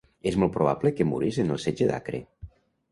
És molt probable que morís en el setge d'Acre.